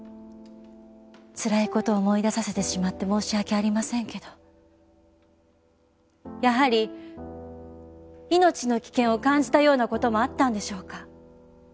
つらい事を思い出させてしまって申し訳ありませんけどやはり命の危険を感じたような事もあったんでしょうか？